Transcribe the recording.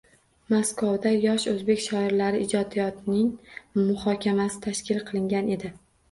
Maskovda yosh o’zbek shoirlari ijodiyotining muhokamasi tashkil qilingan edi.